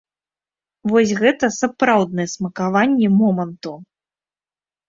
Вось гэта сапраўднае смакаванне моманту.